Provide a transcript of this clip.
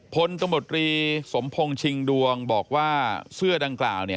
ตมตรีสมพงศ์ชิงดวงบอกว่าเสื้อดังกล่าว